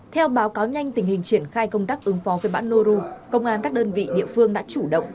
theo báo cáo nhanh tình hình triển khai công tác ứng phó với bão nu công an các đơn vị địa phương đã chủ động